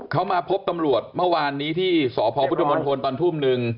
เข้ามาพบตัมรวจเมื่อวานนี้ที่สพพุทธมนตร์ฮนส์ตอนทุ่ม๑